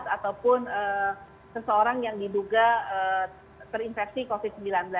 ataupun seseorang yang diduga terinfeksi covid sembilan belas